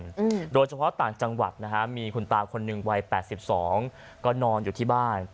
อืมโดยเฉพาะต่างจังหวัดนะฮะมีคุณตาคนหนึ่งวัยแปดสิบสองก็นอนอยู่ที่บ้าน